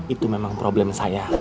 itu memang problem saya